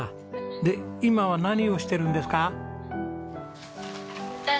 で今は何をしてるんですか？